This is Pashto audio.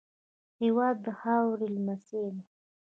هېواد د خاورې لمس دی.